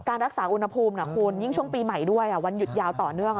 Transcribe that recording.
รักษาอุณหภูมินะคุณยิ่งช่วงปีใหม่ด้วยวันหยุดยาวต่อเนื่อง